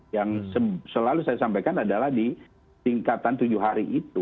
yang selalu saya sampaikan adalah di tingkatan tujuh hari itu